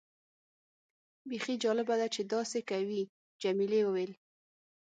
بیخي جالبه ده چې داسې کوي. جميلې وويل:.